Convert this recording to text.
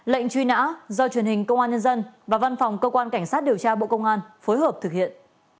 lệnh truy nã do truyền hình công an nhân dân và văn phòng cơ quan cảnh sát điều tra bộ công an phối hợp thực hiện